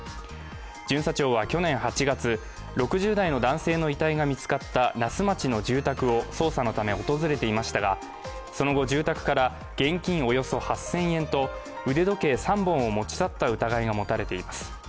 巡査長は去年８月、６０代の男性の遺体が見つかった那須町の住宅を捜査のため訪れていましたが、その後、住宅から現金およそ８０００円と腕時計３本を持ち去った疑いが持たれています。